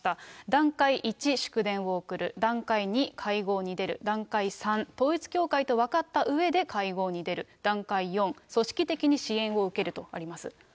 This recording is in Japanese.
段階１、祝電を送る、段階２、会合に出る、段階３、統一教会と分かったうえで、会合に出る、段階４、組織的に支援を受けるとあります。